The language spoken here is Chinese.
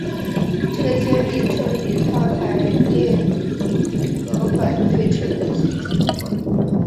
这些名称与它排列和反对称的性质有关。